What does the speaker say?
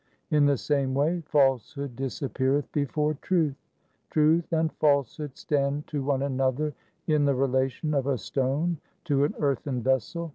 In the same way false hood disappeareth before truth. Truth and falsehood stand to one another in the relation of a stone to an earthen vessel.